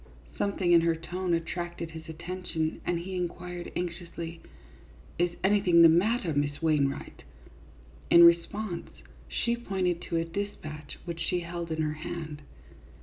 Something in her tone attracted his attention, and he inquired, anxiously, " Is anything the matter, Miss Wainwright ?" In response, she pointed to a dispatch which she held in her hand.